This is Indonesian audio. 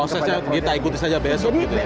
prosesnya kita ikuti saja besok gitu ya